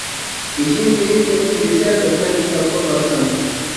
بېشىم قېيىپ كەتتى دېسە بىر دەم كىتابقا قارىسام.